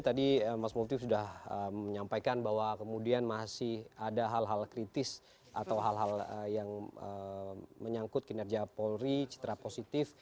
tadi mas multi sudah menyampaikan bahwa kemudian masih ada hal hal kritis atau hal hal yang menyangkut kinerja polri citra positif